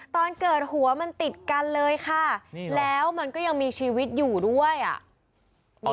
ตอนเกิดหัวมันติดกันเลยค่ะแล้วมันก็ยังมีชีวิตอยู่ด้วยอ่ะ